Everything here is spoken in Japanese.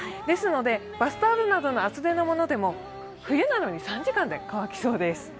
ですのでバスタオルなどの厚手のものでも冬なのに３時間で乾きそうです。